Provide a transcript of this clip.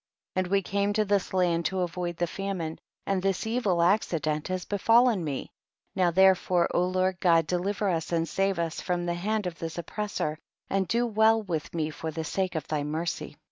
18. And we came to this land ta avoid the famine, and this evil acci dent has befallen me ; now therefore O Lord God deliver us and save us from the hand of this oppressor, and do well with me for the sake of thy mercy.